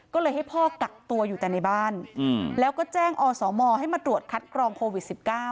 ก็เลยให้พ่อกักตัวอยู่แต่ในบ้านแล้วก็แจ้งอสมให้มาตรวจคัดกรองโควิด๑๙